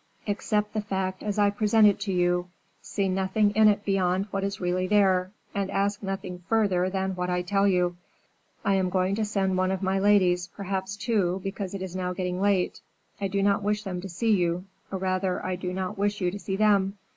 Accept the fact as I present it to you; see nothing in it beyond what is really there, and ask nothing further than what I tell you. I am going to send one of my ladies, perhaps two, because it is now getting late; I do not wish them to see you, or rather I do not wish you to see them.